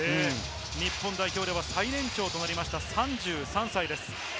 日本代表では最年長となりました、３３歳です。